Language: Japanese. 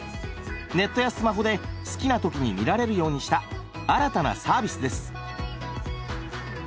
ネットやスマホで好きな時に見られるようにした新たなサービスです！